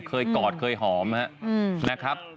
กอดเคยหอมนะครับ